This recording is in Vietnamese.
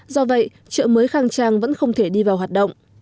do vậy chợ mới khang trang vẫn không thể đi vào hoạt động